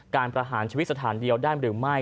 ประหารชีวิตสถานเดียวได้หรือไม่